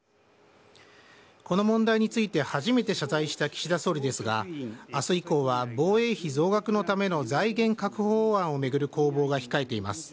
この問題について初めて謝罪した岸田総理ですが、あす以降は、防衛費増額のための財源確保法案を巡る攻防が控えています。